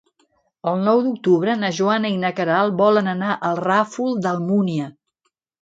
El nou d'octubre na Joana i na Queralt volen anar al Ràfol d'Almúnia.